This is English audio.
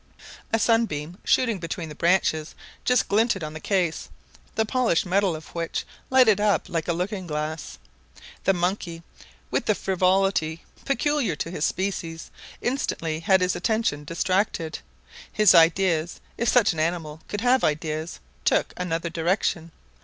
A sunbeam shooting between the branches just glinted on the case, the polished metal of which lighted up like a looking glass. The monkey, with the frivolity peculiar to his species, instantly had his attention distracted. His ideas, if such an animal could have ideas, took another direction.